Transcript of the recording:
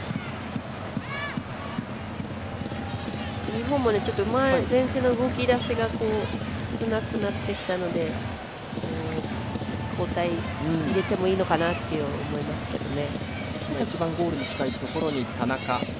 日本も前線の動き出しが少なくなってきたので交代、入れてもいいのかなと思いますけどね。